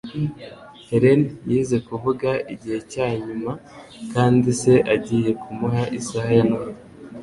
Helen yize kuvuga igihe cyanyuma, kandi se agiye kumuha isaha ya Noheri.